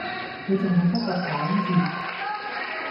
佢淨係得個講字